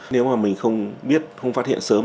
nếu mà mình không biết không phát hiện sớm